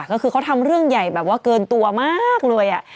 ก็คือเขาทำเรื่องใหญ่แบบว่าเกินตัวมากเลย